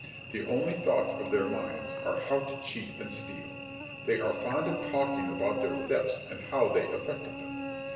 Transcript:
The only thoughts of their minds are how to cheat and steal. They are fond of talking about their thefts and how they effected them.